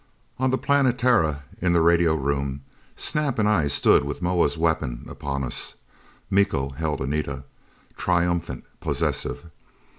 XXI On the Planetara, in the radio room, Snap and I stood with Moa's weapon upon us. Miko held Anita. Triumphant, possessive.